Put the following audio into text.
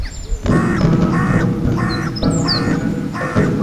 সম্মেলনে সভাপতি পদে ছয়জন এবং সাধারণ সম্পাদক পদে লড়ছেন সাতজন প্রার্থী।